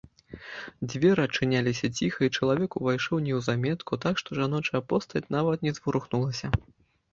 Дзверы адчыняліся ціха, і чалавек увайшоў неўзаметку, так што жаночая постаць нават не зварухнулася.